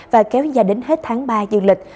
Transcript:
và kéo dài đến hết tháng ba dương lịch